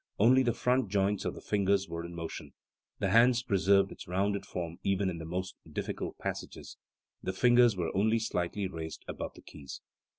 Only the front joints of the fingers were in motion; the hand preserved its rounded form even in tht most difficult passages ;, the fingers were only slightly raised above the keys.